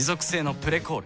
「プレコール」